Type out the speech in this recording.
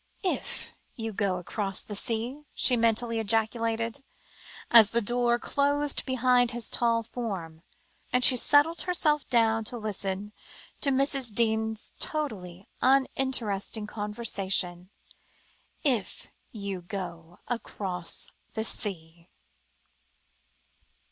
"If you go across the sea," she mentally ejaculated, as the door closed behind his tall form, and she settled herself down to listen to Mrs. Deane's totally uninteresting conversation. "If you go across the sea!"